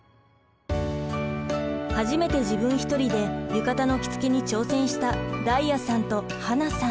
初めて自分一人で浴衣の着付けに挑戦した太哉さんと英さん。